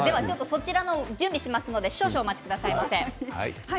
準備をしますので少々お待ちくださいませ。